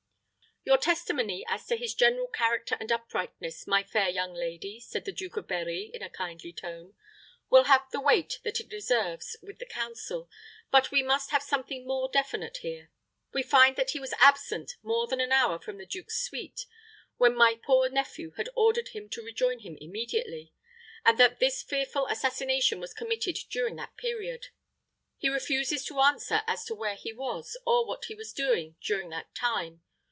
"Your testimony as to his general character and uprightness, my fair young lady," said the Duke of Berri, in a kindly tone, "will have the weight that it deserves with the council, but we must have something more definite here. We find that he was absent more than an hour from the duke's suite, when my poor nephew had ordered him to rejoin him immediately, and that this fearful assassination was committed during that period. He refuses to answer as to where he was, or what he was doing during that time.